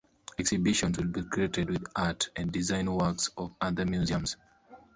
Exhibitions would be created with art and design works of other museums.